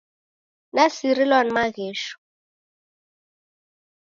Nasirilwa ni maghesho